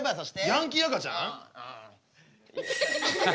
ヤンキー赤ちゃん？